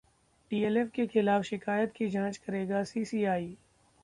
DLF के खिलाफ शिकायत की जांच करेगा सीसीआई